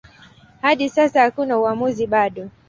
Hadi sasa hakuna uamuzi bado.